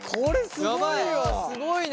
すごいね。